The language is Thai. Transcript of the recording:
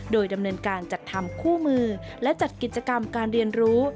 โดยดำเนินการจัดทำคู่มือและจัดกิจกรรมการเรียนรู้